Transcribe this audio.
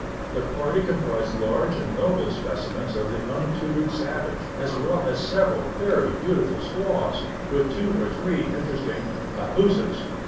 The party comprised large and noble specimens of the untutored savage, as well as several very beautiful squaws, with two or three interesting "papooses."